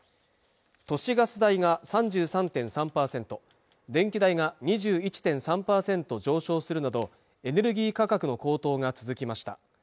都市ガス代が３３．３％電気代が２１．３％上昇するなどエネルギー価格の高騰が続きました